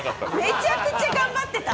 めちゃくちゃ頑張ってた。